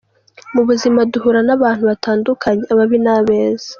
Mu buzima duhura n’abantu batandukanye: Ababi n’abeza.